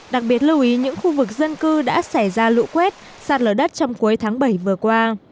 đặc biệt lưu ý những khu vực dân cư đã xảy ra lũ quét sạt lở đất trong cuối tháng bảy vừa qua